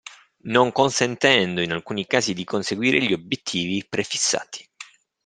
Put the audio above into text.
Non consentendo in alcuni casi di conseguire gli obiettivi prefissati.